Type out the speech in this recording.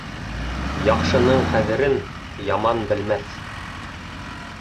Яҡшының ҡәҙерен яман белмәҫ.